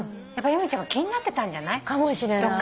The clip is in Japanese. やっぱり由美ちゃんが気になってたんじゃない？かもしれない。